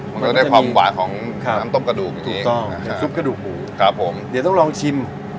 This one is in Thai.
มันก็จะได้ความหวานของน้ำต้มกระดูกถูกต้องซุปกระดูกหมูครับผมเดี๋ยวต้องลองชิม